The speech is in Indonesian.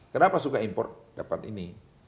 kenapa suka import dapat ini